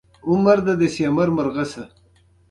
تاریخ د زمانې سفر دی.